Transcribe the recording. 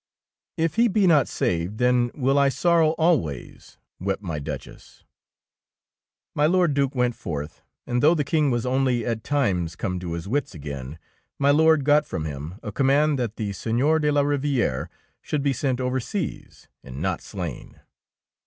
''If he be not saved, then will I sor row always," wept my Duchess. My Lord Due went forth, and though the King was only at times come to his wits again, my Lord got from him a command that the Seigneur de la Eivi fere should be sent overseas, and not slain.